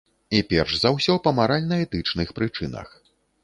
І перш за ўсё па маральна-этычных прычынах.